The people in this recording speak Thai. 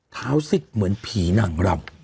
เท้าซิดเหมือนผีหนังเรา